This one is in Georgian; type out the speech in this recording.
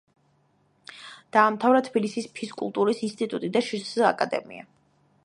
დაამთავრა თბილისის ფიზკულტურის ინსტიტუტი და შსს აკადემია.